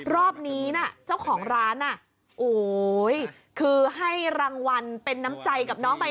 รอบนี้น่ะเจ้าของร้านคือให้รางวัลเป็นน้ำใจกับน้องใบ